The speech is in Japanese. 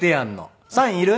「サインいる？